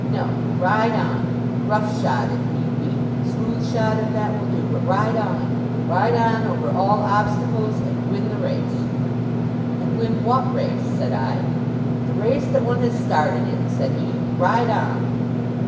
No! Ride on! Rough shod if need be, smooth shod if that will do, but ride on! Ride on over all obstacles, and win the race!' 'And win what race?' said I. 'The race that one has started in,' said he. 'Ride on!